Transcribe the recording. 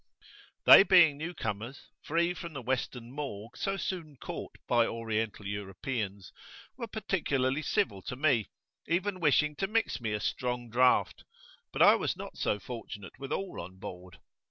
[p.34]They being new comers, free from the western morgue so soon caught by Oriental Europeans, were particularly civil to me, even wishing to mix me a strong draught; but I was not so fortunate with all on board.